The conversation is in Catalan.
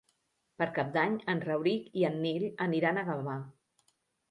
Per Cap d'Any en Rauric i en Nil aniran a Gavà.